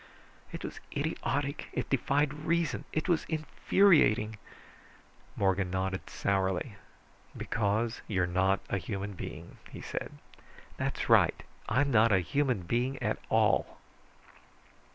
It was idiotic, it defied reason, it was infuriating." Morgan nodded sourly. "Because you're not a human being," he said. "That's right. I'm not a human being at all."